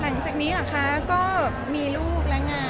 หลังจากนี้เหรอคะก็มีลูกและงาน